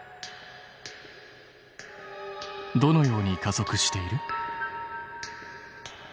どのように加速している？